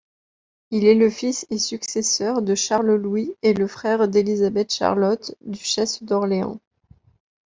Il est le fils et successeur de Charles-Louis et le frère d'Élisabeth-Charlotte, duchesse d’Orléans.